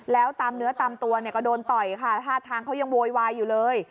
แล้วตามเนื้อตามตัวเนี่ยก็โดนต่อยค่ะท่าทางเขายังโวยวายอยู่เลย